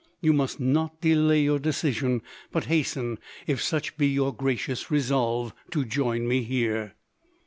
You must not delay your decision ; but hasten, if such be your gracious resolve, to join me here.